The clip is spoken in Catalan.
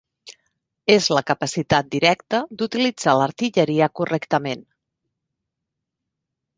És la capacitat directa d'utilitzar l'artilleria correctament.